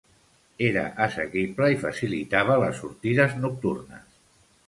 Era assequible i facilitava les sortides nocturnes.